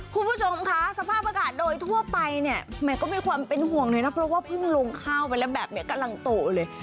คุณผู้ชมคะสภาพอากาศโดยทั่วไปเนี่ยแหมก็มีความเป็นห่วงหน่อยนะเพราะว่าเพิ่งลงข้าวไปแล้วแบบนี้กำลังโตเลย